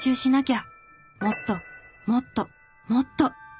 もっともっともっと」。